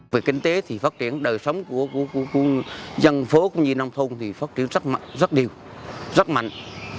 về kinh tế thì phát triển đời sống của dân phố cũng như nông thôn thì phát triển rất mạnh rất nhiều rất mạnh